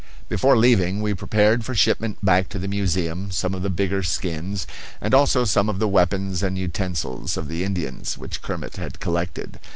Before leaving we prepared for shipment back to the museum some of the bigger skins, and also some of the weapons and utensils of the Indians, which Kermit had collected.